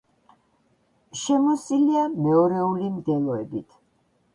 შემოსილია მეორეული მდელოებით.